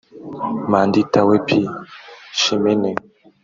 Mandiitawepi Chimene